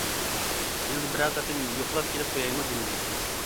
يىلدا بىرەر قېتىم يوقلاپ كېلىپ قويايمۇ دېمىدى.